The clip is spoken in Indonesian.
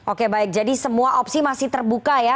oke baik jadi semua opsi masih terbuka ya